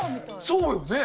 そうよね。